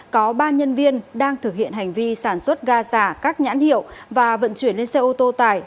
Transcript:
có ba nhân viên đang thực hiện hành vi sản xuất ga giả các nhãn hiệu và vận chuyển lên xe ô tô tải